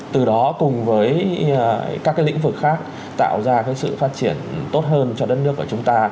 từ đó cùng với các lĩnh vực khác tạo ra sự phát triển tốt hơn cho đất nước của chúng ta